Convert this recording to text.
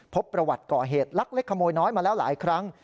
พบประวัติก่อเหตุลักเล็กขโมยน้อยมาแล้วหลายครั้ง